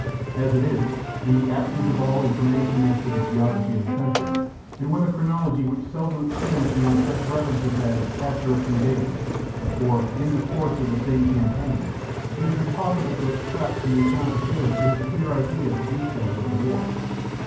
As it is, in the absence of all information as to the geography of the country, and with a chronology which seldom ex tends beyond such references as '* after a few days," or " in the course of the same campaign," it is impossible to extract from the account of Sallust any clear idea of the details of the war.